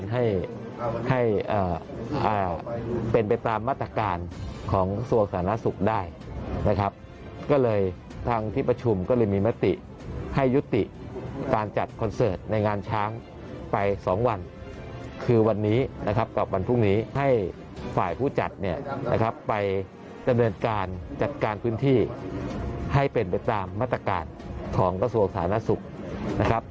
ให้ฝ่ายผู้จัดเนี่ยนะครับไปจะเนินการจัดการพื้นที่ให้เป็นไปตามมาตรกาลของกระทรวงศาลนักศึกษ์นะครับ